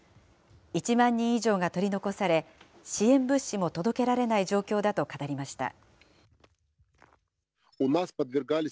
１万人以上が取り残され、支援物資も届けられない状況だと語りました。